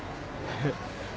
えっ？